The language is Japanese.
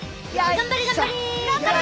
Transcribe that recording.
頑張れ頑張れ！